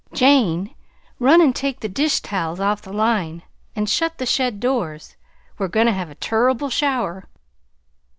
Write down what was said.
Jane, run an' take the dish towels off the line and shut the shed doors; we're goin' to have a turrible shower."